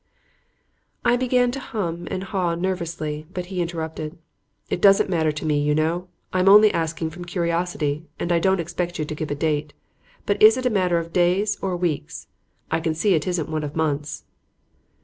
I began to hum and haw nervously, but he interrupted: "It doesn't matter to me, you know, I'm only asking from curiosity; and I don't expect you to give a date. But is it a matter of days or weeks? I can see it isn't one of months."